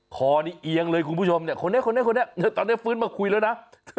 คอนี่เอียงเลยคุณผู้ชมเนี่ยคนนี้คนนี้ตอนนี้ฟื้นมาคุยแล้วนะ